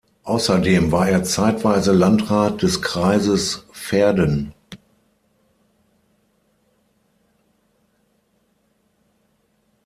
Außerdem war er zeitweise Landrat des Kreises Verden.